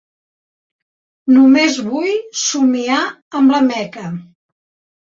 Només vull somiar amb la Meca.